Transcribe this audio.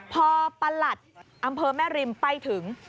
พอประหลัดอำเภอแม่ริมไปถึง